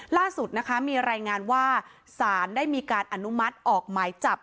ล่าสุดนะคะมีรายงานว่าสารได้มีการอนุมัติออกหมายจับ